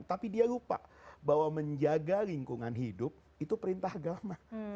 tapi dia lupa bahwa menjaga lingkungan hidup itu perintah agama